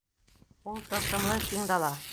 Ул — тылсымлы, киң дала.